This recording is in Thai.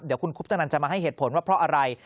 เดี๋ยวคุณคุปตนันจะมาให้เหตุผลว่าเพราะอะไร